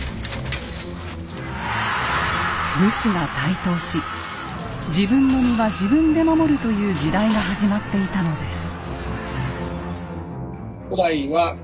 武士が台頭し自分の身は自分で守るという時代が始まっていたのです。